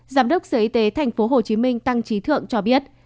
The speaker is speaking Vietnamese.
giám đốc sở y tế tp hcm tăng trí thượng cho biết